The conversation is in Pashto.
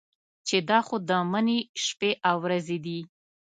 چې دا خو د مني شپې او ورځې دي.